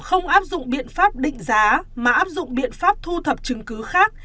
không áp dụng biện pháp định giá mà áp dụng biện pháp thu thập chứng cứ khác